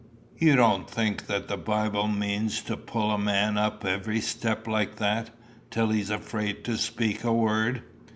"You don't think that the Bible means to pull a man up every step like that, till he's afraid to speak a word.